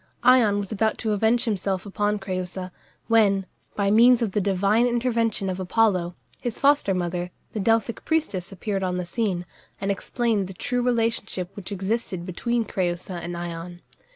Ion was about to avenge himself upon Crëusa, when, by means of the divine intervention of Apollo, his foster mother, the Delphic priestess appeared on the scene, and explained the true relationship which existed between Crëusa and Ion.